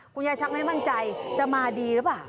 คุณยายชักไม่มั่นใจจะมาดีหรือเปล่า